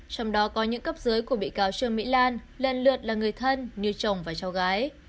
trong đó có những cấp dưới của bị cáo trương mỹ lan lần lượt là người thân như chồng và cháu gái